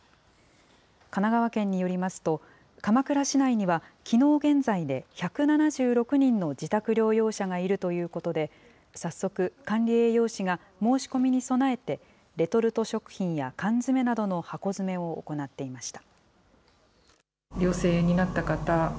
神奈川県によりますと、鎌倉市内には、きのう現在で１７６人の自宅療養者がいるということで、早速、管理栄養士が申し込みに備えて、レトルト食品や缶詰などの箱詰めを行っていました。